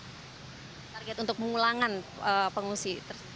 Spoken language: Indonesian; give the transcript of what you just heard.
target untuk mengulangan pengungsi